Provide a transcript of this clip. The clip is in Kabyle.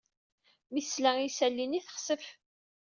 Mi tesla i yisali-nni, texsef.